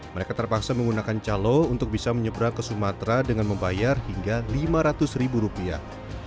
mereka terpaksa menggunakan calo untuk bisa menyeberang ke sumatera dengan membayar hingga lima ratus ribu rupiah